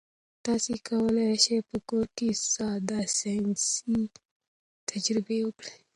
تاسي کولای شئ په کور کې ساده ساینسي تجربې وکړئ.